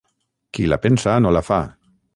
Qui la pensa no la fa.